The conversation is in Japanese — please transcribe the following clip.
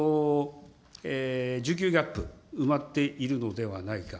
需給ギャップ埋まっているのではないか。